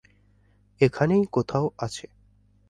এখানেই কোথাও আছে।